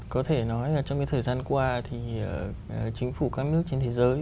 có thể nói là trong cái thời gian qua thì chính phủ các nước trên thế giới